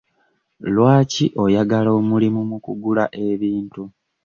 Lwaki oyagala omulimu mu kugula ebintu?